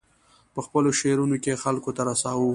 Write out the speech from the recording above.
په خپلو شعرونو کې یې خلکو ته رساوه.